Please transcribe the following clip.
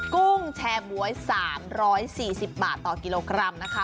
กุ้งแชร์บ๊วย๓๔๐บาทต่อกิโลกรัมนะคะ